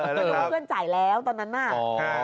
หรือว่าเพื่อนจ่ายแล้วตอนนั้นมา